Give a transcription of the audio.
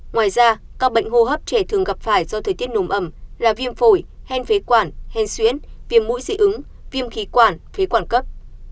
ngoài ra các bệnh hô hấp trẻ thường gặp phải do thời tiết nồm ẩm là viêm phổi hen phế quản hen xuyễn viêm mũi dị ứng viêm khí quản phế quản cấp